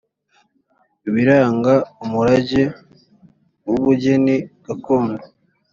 biranga umurage w ubugeni gakondo